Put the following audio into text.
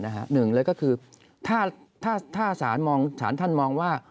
หนึ่งเลยก็คือถ้าสารท่านมองว่า